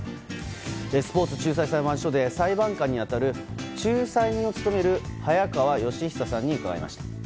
スポーツ仲裁裁判所で裁判官に当たる仲裁人を務める早川吉尚さんに伺いました。